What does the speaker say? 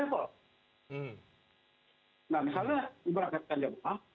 mengambil alih tanggung jawab